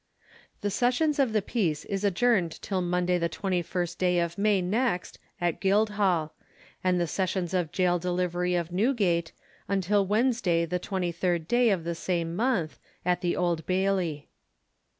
The sessions of the peace is adjourned until Monday the 21st day of May next at Guildhall; and the sessions of Goal Delivery of Newgate, until Wednesday, the 23rd day of the same month, at the old Bailey.